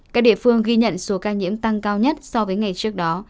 các địa phương ghi nhận số ca nhiễm tăng cao nhất so với ngày trước đó